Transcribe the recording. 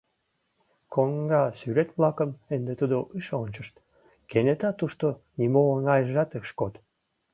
Коҥга «сӱрет-влакым» ынде тудо ыш ончышт, кенета тушто нимо оҥайжат ыш код.